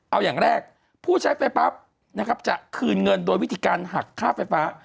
เอาอย่างแรกผู้ใช้ไฟปั๊บนะครับจะคืนเงินโดยวิธีการหักค่าไฟฟ้า